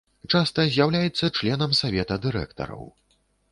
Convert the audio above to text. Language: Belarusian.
Часта з'яўляецца членам савета дырэктараў.